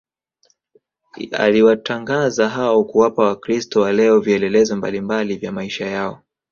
aliwatangaza hao kuwapa wakristo wa leo vielelezo mbalimbali kwa maisha yao